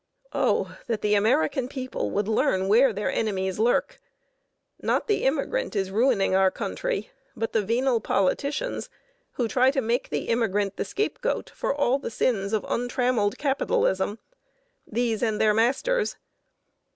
O that the American people would learn where their enemies lurk! Not the immigrant is ruining our country, but the venal politicians who try to make the immigrant the scapegoat for all the sins of untrammeled capitalism these and their masters.